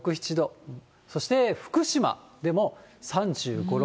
そして福島でも、３５、６度。